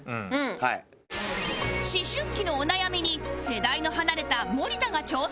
思春期のお悩みに世代の離れた森田が挑戦